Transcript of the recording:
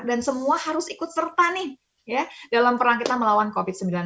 dan semua harus ikut serta nih dalam perang kita melawan covid sembilan belas